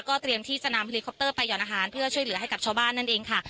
ก็เตรียมที่สนามไปหย่อนอาหารเพื่อช่วยเหลือให้กับชาวบ้านนั่นเองค่ะ